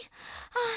ああ。